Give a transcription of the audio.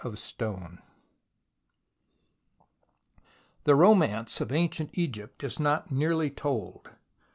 CHAPTER VIII THE romance of ancient Egypt is not nearly told.